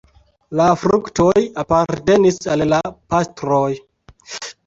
La fruktoj apartenis al la pastroj.